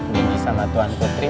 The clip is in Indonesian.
deni sama tuan putri